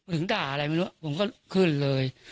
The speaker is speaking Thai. ด่าอะไรไม่รู้ผมก็ขึ้นเลย